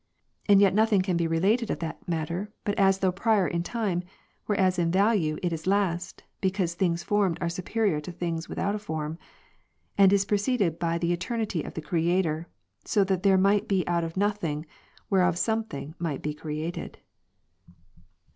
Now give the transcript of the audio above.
And yet nothing —^^—' can be related of that mattei', but as though prior in time, whei'cas in value it is last (because things formed are supe rior to things without form) and is preceded by the Eternity of the Creator : that so there might be out of nothing, whereof somewhat might be created.